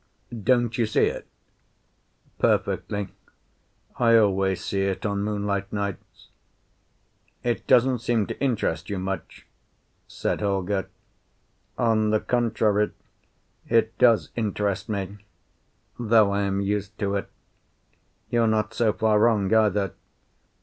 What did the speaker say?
Don't you see it?" "Perfectly; I always see it on moonlight nights." "It doesn't seem to interest you much," said Holger. "On the contrary, it does interest me, though I am used to it. You're not so far wrong, either.